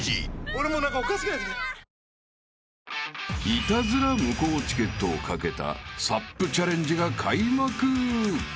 ［イタズラ無効チケットを懸けたＳＵＰチャレンジが開幕］